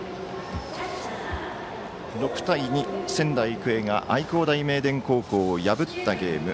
６対２、仙台育英が愛工大名電高校を破ったゲーム。